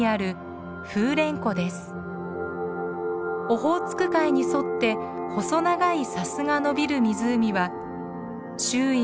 オホーツク海に沿って細長い砂州がのびる湖は周囲